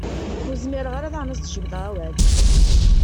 Ur zmireɣ ara daɣen ad as-d-jebdeɣ awal.